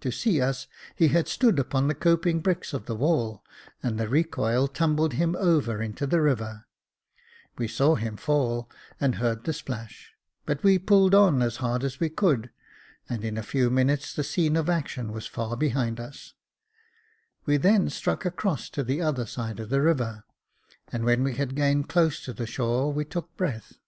To see us he had stood upon the coping bricks of the wall, and the i ecoil tumbled him over into the river: we saw him fall, and heard the splash ; but we pulled on as hard as we could, and in a few minutes the scene of action was far behind us, "We then struck across to the other side of the river, and when we had gained close to the shore, we took breath.